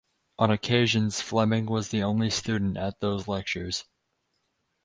On occasions Fleming was the only student at those lectures.